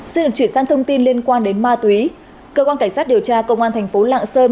xin được chuyển sang thông tin liên quan đến ma túy cơ quan cảnh sát điều tra công an thành phố lạng sơn